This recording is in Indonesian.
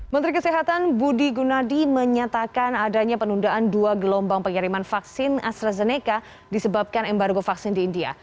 menteri kesehatan budi gunadi menyatakan adanya penundaan dua gelombang pengiriman vaksin astrazeneca disebabkan embargo vaksin di india